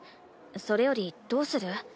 それよりどうする？